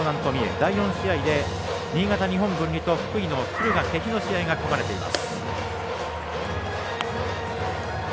第４試合で新潟、日本文理と福井の敦賀気比の試合が組まれています。